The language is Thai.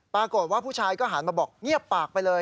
ปรากฏว่าผู้ชายก็หันมาบอกเงียบปากไปเลย